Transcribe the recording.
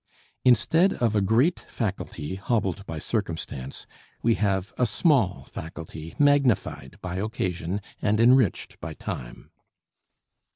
Instead of a great faculty hobbled by circumstance, we have a small faculty magnified by occasion and enriched by time.